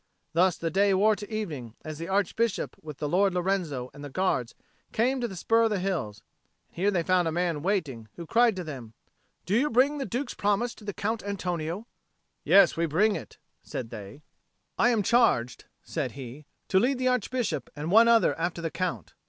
Thus the day wore to evening as the Archbishop with the Lord Lorenzo and the guards came to the spur of the hills; and here they found a man waiting, who cried to them, "Do you bring the Duke's promise to the Count Antonio?" "Yes, we bring it," said they. "I am charged," said he, "to lead the Archbishop and one other after the Count."